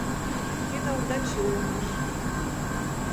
Тиде Овдачи улмаш.